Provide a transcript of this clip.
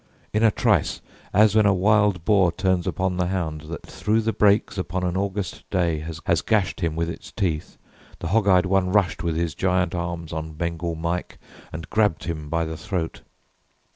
In a trice As when a wild boar turns upon the hound That through the brakes upon an August day Has gashed him with its teeth, the hog eyed one Rushed with his giant arms on Bengal Mike And grabbed him by the throat.